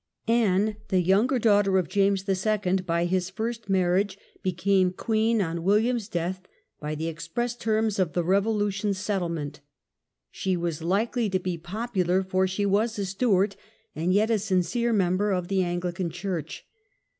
Anne, the younger daughter of James II. by his first marriage, became queen on William's death by the express terms of the Revolution settlement. She was The new likely to be popular, for she was a Stewart, queen, and yet a sincere member of the Anglican Church.